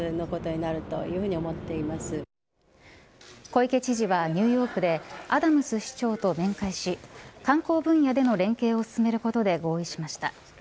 小池知事はニューヨークでアダムス市長と面会し観光分野での連携を進めることで合意しました。